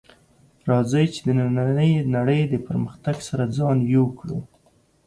راځئ چې د نننۍ نړۍ د پرمختګ سره ځان یو کړو